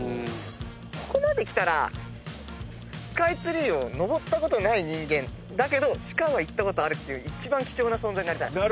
ここまできたらスカイツリーを上ったことのない人間だけど地下は行ったことはあるっていう貴重な存在になりたい。